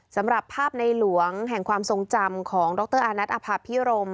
สำหรับภาพในหลวงแห่งความทรงจำของดรอานัทอภาพิรม